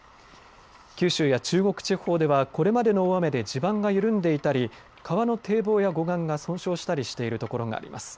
九州や中国地方ではこれまでの大雨で地盤が緩んでいたり川の堤防や護岸が損傷したりしている所があります。